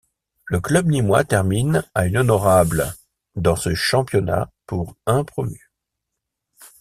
Le club nîmois termine à une honorable dans ce championnat pour un promu.